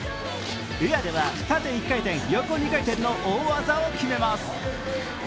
エアでは縦１回転横２回転の大技を決めます。